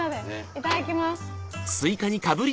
いただきます！